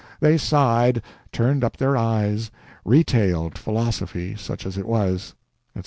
They sighed, turned up their eyes, retailed philosophy, such as it was," etc.